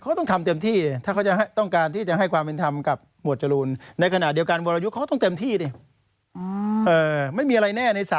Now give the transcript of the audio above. ก็อย่างตั้มเขาเนี่ย